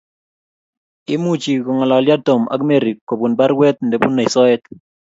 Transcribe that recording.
Imuchi kongalyo Tom ak Mary kobun baruet nebunei soet